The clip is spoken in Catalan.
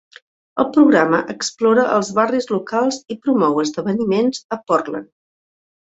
El programa explora els barris locals i promou esdeveniments a Portland.